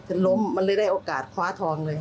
ล้มมันเลยได้โอกาสคว้าทองเลย